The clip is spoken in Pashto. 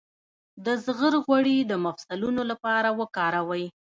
د زغر غوړي د مفصلونو لپاره وکاروئ